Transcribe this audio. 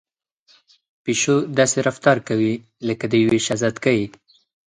پيشو داسې رفتار کوي لکه د يوې شهزادګۍ.